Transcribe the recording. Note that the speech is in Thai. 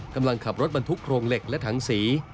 กำลังขับรถบรรทุกโครงเหล็กและถังสี